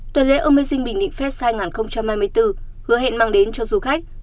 tuần lễ amazing bình định fest hai nghìn hai mươi bốn hứa hẹn mang đến cho du khách